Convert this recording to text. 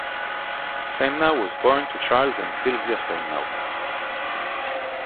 Samenow was born to Charles and Sylvia Samenow.